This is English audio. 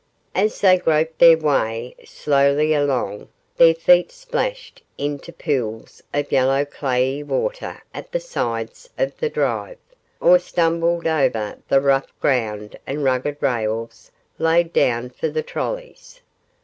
As they groped their way slowly along, their feet splashed into pools of yellow clayey water at the sides of the drive, or stumbled over the rough ground and rugged rails laid down for the trollies.